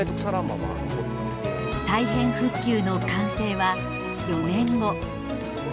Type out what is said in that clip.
再編復旧の完成は４年後。